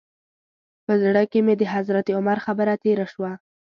په زړه کې مې د حضرت عمر خبره تېره شوه.